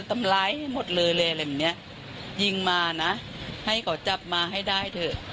ทำร้ายให้หมดเลยเลยอะไรแบบเนี้ยยิงมานะให้เขาจับมาให้ได้เถอะ